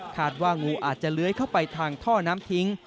ว่างูอาจจะเลื้อยเข้าไปทางท่อน้ำทิ้ง